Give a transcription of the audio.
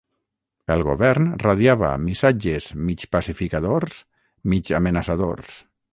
El Govern radiava missatges mig pacificadors mig amenaçadors